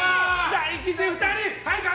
大吉、２人！